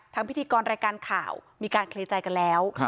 พิธีกรรายการข่าวมีการเคลียร์ใจกันแล้ว